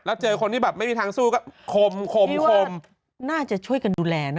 แล้วเจอคนที่แบบไม่มีทางสู้ก็คมคมน่าจะช่วยกันดูแลนะ